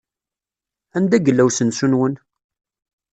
Anda yella usensu-nwen?